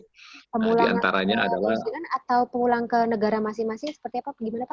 pemulangan ke new zealand atau pulang ke negara masing masing seperti apa